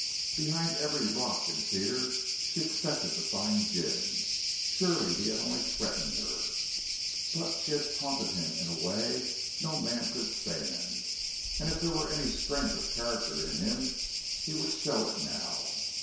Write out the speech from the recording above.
Behind every rock and cedar she expected to find Jim. Surely he had only threatened her. But she had taunted him in a way no man could stand, and if there were any strength of character in him he would show it now.